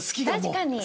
確かに。